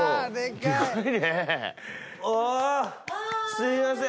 すいません。